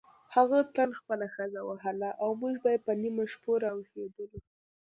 هغه تل خپله ښځه وهله او موږ به په نیمو شپو راویښېدلو.